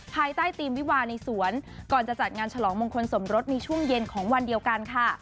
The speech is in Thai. ภายใต้ธีมวิวาในสวนก่อนจะจัดงานฉลองมงคลสมรสในช่วงเย็นของวันเดียวกันค่ะ